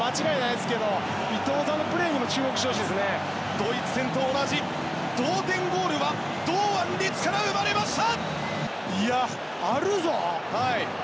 ドイツ戦と同じ同点ゴールは堂安律から生まれました！